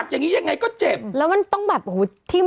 ยังไงก็เจ็บแล้วมันต้องแบบโอ้โหทิ้ม